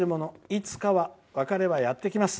いつかは別れはやってきます。